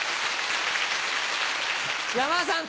山田さん